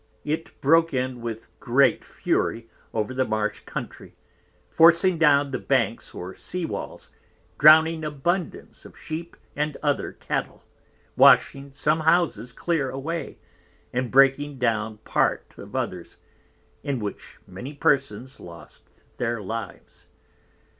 It broke in with great fury over the Marsh Country, forcing down the Banks or Sea Walls, drowning abundance of Sheep, and other Cattle, washing some houses clear away, and breaking down part of others, in which many Persons lost their Lives.